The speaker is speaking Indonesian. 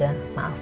ya salamin aja